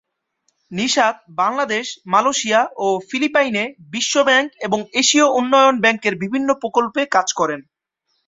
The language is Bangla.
নিশাত বাংলাদেশ, মালয়েশিয়া, ও ফিলিপাইনে বিশ্ব ব্যাংক এবং এশীয় উন্নয়ন ব্যাংকের বিভিন্ন প্রকল্পে কাজ করেন।